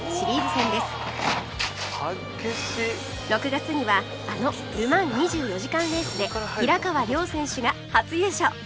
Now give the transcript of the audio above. ６月にはあのル・マン２４時間レースで平川亮選手が初優勝！